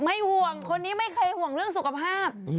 ห่วงคนนี้ไม่เคยห่วงเรื่องสุขภาพ